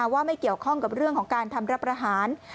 ว่าไม่เกี่ยวข้องกับเรื่องของการทำรับประหาร